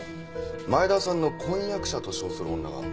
前田さんの婚約者と称する女が表に。